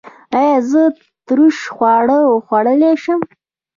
ایا زه ترش خواړه خوړلی شم؟